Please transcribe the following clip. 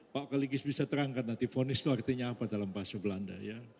pak kaligis bisa terangkan nanti fonis itu artinya apa dalam bahasa belanda ya